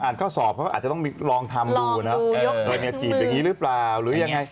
อาจจะต้องลองทำดูนะจีบอย่างนี้หรือเปล่าหรืออย่างไร